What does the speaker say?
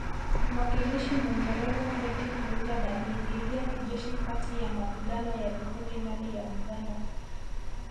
Mwakilishi Mwingereza Frederick Lugard aliingilia kijeshi kati ya mapigano ya vikundi ndani ya Buganda